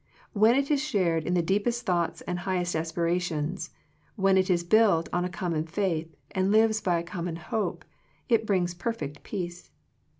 When it is shared in the deepest thoughts and high est aspirations, when it is built on a com mon faith, and lives by a common hope, it brings perfect peace.